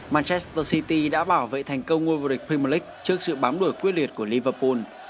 manchester city đã bảo vệ thành công ngôi vô địch premier league trước sự bám đuổi quyết liệt của liverpool